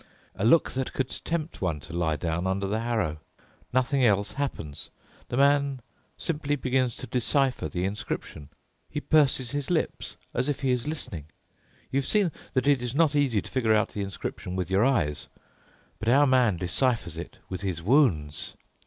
A look that could tempt one to lie down under the harrow. Nothing else happens. The man simply begins to decipher the inscription. He purses his lips, as if he is listening. You've seen that it's not easy to figure out the inscription with your eyes, but our man deciphers it with his wounds.